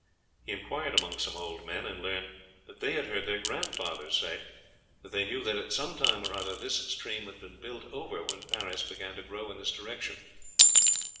He inquired among some old men, and learned that they had heard their grandfathers say that they knew that at some time or other this stream had been built over when Paris began to grow in this direction.